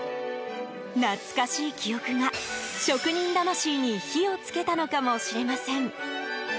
懐かしい記憶が、職人魂に火をつけたのかもしれません。